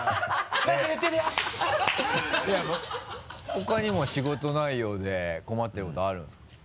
他にも仕事内容で困っていることあるんですか？